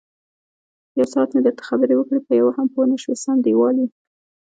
یوساعت مې درته خبرې وکړې، په یوه هم پوی نشوې سم دېوال یې.